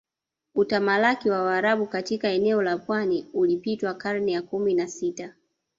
Utamalaki wa Waarabu katika eneo la pwani ulipitwa karne ya kumi na sita